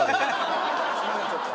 すみませんちょっと。